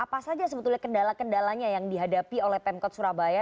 apa saja sebetulnya kendala kendalanya yang dihadapi oleh pemkot surabaya